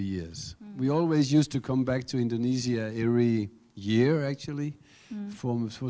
kami selalu selalu kembali ke indonesia setiap tahun